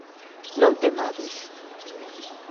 Non temades.